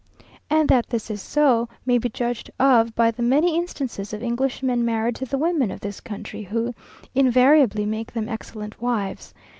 And that this is so, may be judged of by the many instances of Englishmen married to the women of this country, who invariably make them excellent wives.